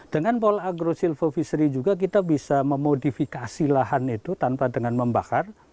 dengan pola agrosilvofisry juga kita bisa memodifikasi lahan itu tanpa dengan membakar